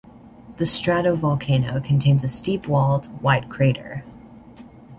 The stratovolcano contains a steep-walled, wide crater.